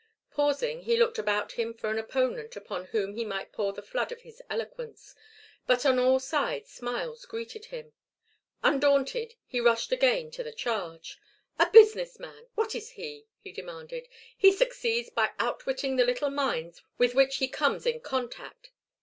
Pausing, he looked about for an opponent upon whom he might pour the flood of his eloquence, but on all sides smiles greeted him. Undaunted, he rushed again to the charge. "A business man what is he?" he demanded. "He succeeds by outwitting the little minds with which he comes in contact.